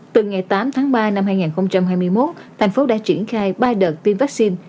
từ ngày tám tháng ba năm hai nghìn hai mươi một thành phố đã triển khai ba đợt tiêm vaccine